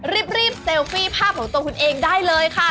รีบเซลฟี่ภาพของตัวคุณเองได้เลยค่ะ